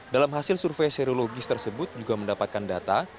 dalam hasil survei serologis tersebut juga mendapatkan data